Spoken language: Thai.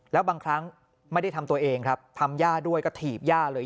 แล้วบางครั้งไม่ได้ทำตัวเองครับทำย่าด้วยก็ถีบย่าเลย